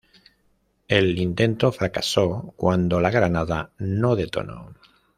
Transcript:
El intento fracasó cuando la granada no detonó.